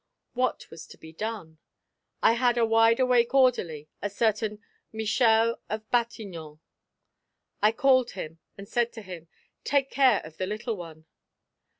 What was to be done? "I had a wide awake orderly, a certain Michel of Batignolles. I called him and said to him: 'Take care of the little one.'